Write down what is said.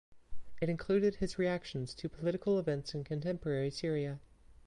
It included his reactions to political events in contemporary Syria.